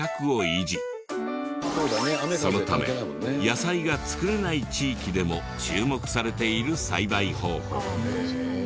そのため野菜が作れない地域でも注目されている栽培方法。